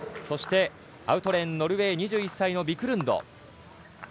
そしてアウトレーンノルウェー、２１歳のビクルンド。